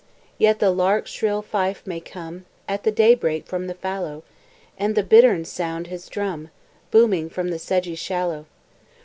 Yet the lark's shrill fife may come At the daybreak from the fallow, And the bittern sound his drum, Booming from the sedgy shallow.